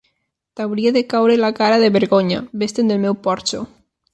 T'hauria de caure la cara de vergonya, ves-te'n del meu porxo!